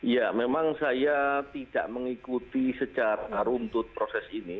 ya memang saya tidak mengikuti secara runtut proses ini